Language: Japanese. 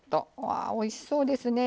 わあおいしそうですね。